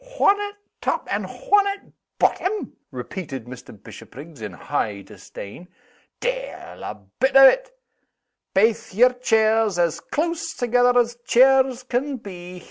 "One at tap and one at bottom?" repeated Mr. Bishopriggs, in high disdain. "De'il a bit of it! Baith yer chairs as close together as chairs can be. Hech!